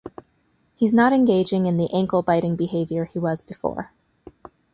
He's not engaging in the ankle-biting behavior he was before.